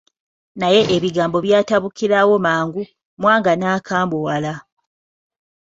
Naye ebigambo byatabukirawo mangu, Mwanga n'akambuwala.